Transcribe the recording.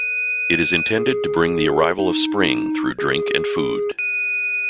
It is intended to bring the arrival of spring through drink and food.